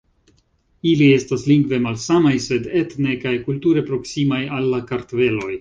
Ili estas lingve malsamaj sed etne kaj kulture proksimaj al la kartveloj.